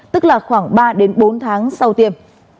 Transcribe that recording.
tức là khoảng ba đến bốn tháng sau tiêm